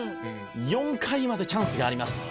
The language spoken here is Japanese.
「４回までチャンスがあります」